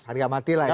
harga mati lah